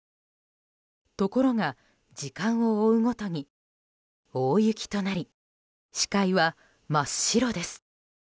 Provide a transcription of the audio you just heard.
ところが、時間を追うごとに大雪となり視界は真っ白です。